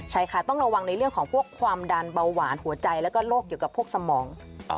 ใช่ค่ะต้องระวังในเรื่องของพวกความดันเบาหวานหัวใจแล้วก็โรคเกี่ยวกับพวกสมอง